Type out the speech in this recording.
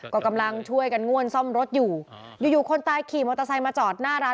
ก็กำลังช่วยกันง่วนซ่อมรถอยู่อยู่คนตายขี่มอเตอร์ไซค์มาจอดหน้าร้าน